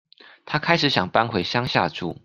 她開始想搬回鄉下住